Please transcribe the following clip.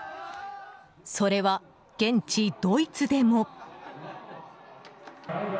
それは現地ドイツでも。